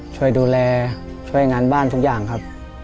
ช่วยดูแลช่วยงานบ้านทุกอย่างครับ